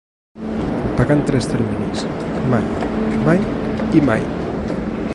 Pagar en tres terminis: mai, mai i mai.